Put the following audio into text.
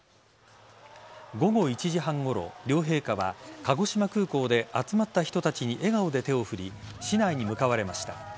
午後１時半ごろ、両陛下は鹿児島空港で集まった人たちに笑顔で手を振り市内に向かわれました。